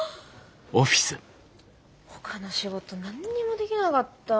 ほかの仕事何にもできなかった。